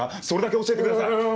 それだけ教えてください！